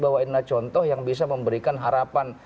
bahwa ini adalah contoh yang bisa memberikan harapan